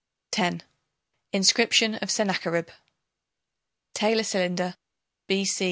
X. INSCRIPTION OF SENNACHERIB (Taylor cylinder, B.C.